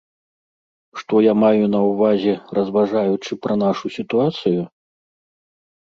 Што я маю на ўвазе, разважаючы пра нашу сітуацыю?